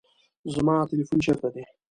زما تلیفون چیرته دی؟